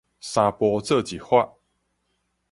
三步做一伐